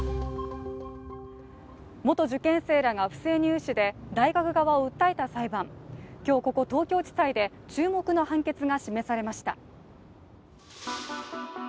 元受験生らが不正入試で大学側を訴えた裁判で、今日ここ東京地裁で注目の判決が示されました。